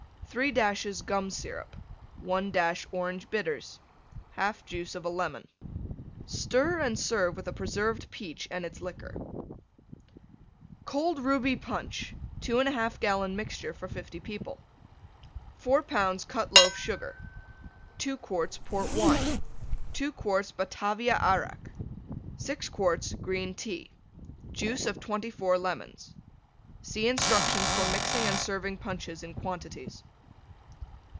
3 dashes Gum Syrup. 1 dash Orange Bitters. 1/2 juice of a Lemon Stir and serve with a Preserved Peach and its liquor. COLD RUBY PUNCH (2 1/2 gallon mixture for 50 people) 4 lbs. Cut Loaf Sugar. 2 quarts Port Wine. 2 quarts Batavia Arrack. 6 quarts green Tea. Juice of 24 Lemons. (See instructions for mixing and serving Punches in quantities.)